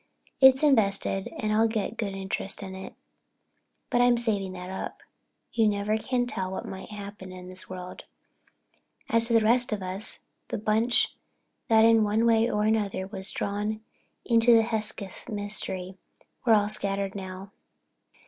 It's invested and I get good interest on it, but I'm saving that up. You never can tell what may happen in this world. As to the rest of us—the bunch that in one way or another were drawn into the Hesketh mystery—we're all scattered now.